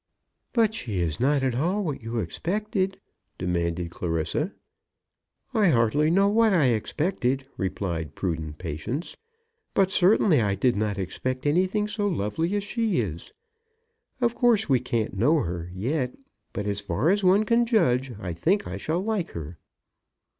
"But she is not at all what you expected?" demanded Clarissa. "I hardly know what I expected," replied the prudent Patience. "But certainly I did not expect anything so lovely as she is. Of course, we can't know her yet; but as far as one can judge, I think I shall like her."